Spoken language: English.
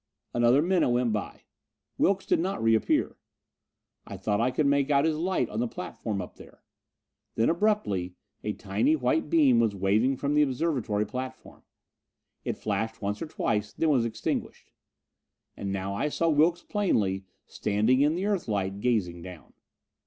Another minute went by. Wilks did not reappear. I thought I could make out his light on the platform up there. Then abruptly a tiny white beam was waving from the observatory platform! It flashed once or twice, then was extinguished. And now I saw Wilks plainly, standing in the Earthlight, gazing down.